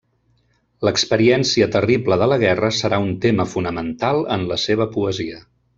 L'experiència terrible de la guerra serà un tema fonamental en la seva poesia.